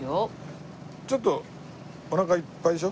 ちょっとおなかいっぱいでしょ？